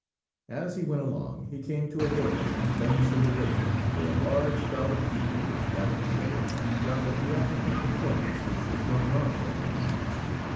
As he went along, he came to a village on the banks of a river, where a large crowd of people was gathered together round a theatrical performance which was going on there.